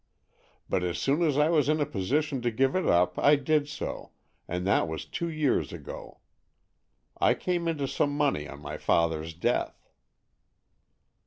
But as soon as I was in a position to give it up, I did so, and that was two years ago. I came into some money on my father's death."